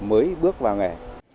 mới bước vào nghề